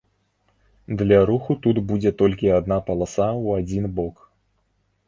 Для руху тут будзе толькі адна паласа ў адзін бок.